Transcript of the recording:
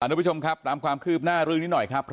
สวัสดีคุณผู้ชมครับตามความคืบน่ารึ้งนิดหน่อยครับ